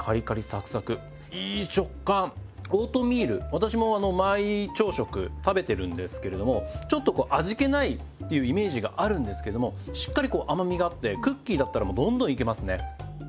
私もあの毎朝食食べてるんですけれどもちょっとこう味気ないっていうイメージがあるんですけどもしっかりこう甘みがあってクッキーだったらもうどんどんいけますね。